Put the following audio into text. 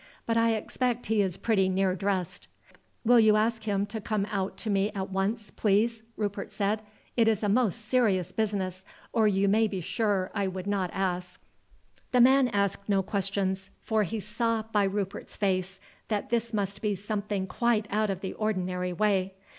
But I expect he is pretty near dressed." "Will you ask him to come out to me at once, please?" Rupert said. "It is a most serious business, or you may be sure I should not ask." The man asked no questions, for he saw by Rupert's face that this must be something quite out of the ordinary way.